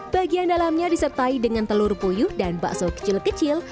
bagian dalamnya disertai dengan telur puyuh dan bakso kecil kecil